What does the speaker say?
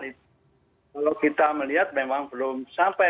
kalau kita melihat memang belum sampai